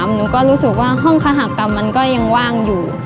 หนูก็รู้สึกว่าห้องคหกรรมมันก็ยังว่างอยู่